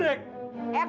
selain dengan anggrek